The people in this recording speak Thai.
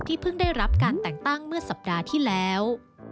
เพิ่งได้รับการแต่งตั้งเมื่อสัปดาห์ที่แล้ว